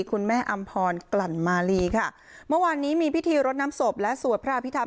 อำพรกลั่นมาลีค่ะเมื่อวานนี้มีพิธีรดน้ำศพและสวดพระอภิษฐรร